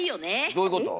どういうこと？